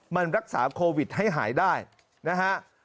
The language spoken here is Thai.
มันรักษาโควิดให้หายได้นะฮะ